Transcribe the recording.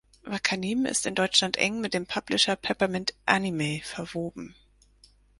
Wakanim ist in Deutschland eng mit dem Publisher Peppermint Anime verwoben.